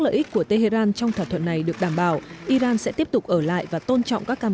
lợi ích của tehran trong thỏa thuận này được đảm bảo iran sẽ tiếp tục ở lại và tôn trọng các cam